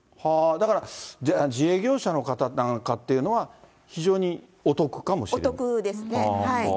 だから、自営業者の方なんかっていうのは、非常にお得かもしれない。